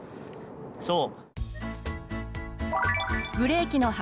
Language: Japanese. そう。